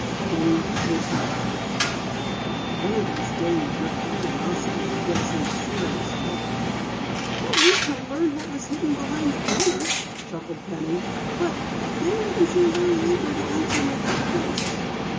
"Penny, you would do a trick like that! One of these days your curiosity will get us into serious trouble." "At least I learned what was hidden behind the counter," chuckled Penny. "But that Jap didn't seem very eager to answer my questions."